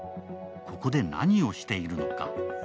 ここで何をしているのか。